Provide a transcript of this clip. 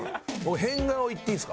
変顔いっていいですか？